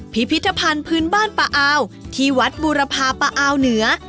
พิพิธภัณฑ์พื้นบ้านปะอาวที่วัดบูรพาปะอาวเหนือ